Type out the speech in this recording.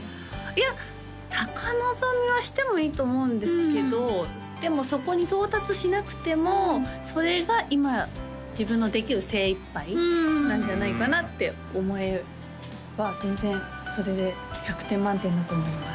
いや高望みはしてもいいと思うんですけどでもそこに到達しなくてもそれが今自分のできる精いっぱいなんじゃないかなって思えば全然それで１００点満点だと思います